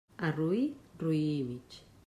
A roí, roí i mig.